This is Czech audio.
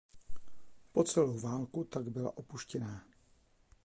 Po celou válku tak byla opuštěná.